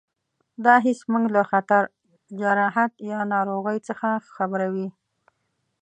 دا حس موږ له خطر، جراحت یا ناروغۍ څخه خبروي.